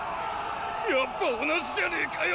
やっぱ同じじゃねぇかよ！